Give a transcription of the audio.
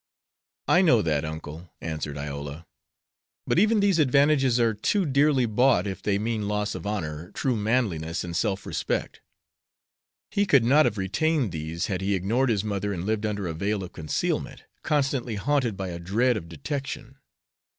"I know that, uncle," answered Iola; "but even these advantages are too dearly bought if they mean loss of honor, true manliness, and self respect. He could not have retained these had he ignored his mother and lived under a veil of concealment, constantly haunted by a dread of detection.